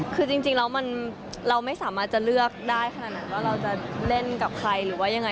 คือจริงแล้วเราไม่สามารถจะเลือกได้ขนาดว่าเราจะเล่นกับใครหรือว่ายังไง